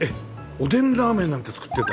おでんラーメンなんて作ってるんだ。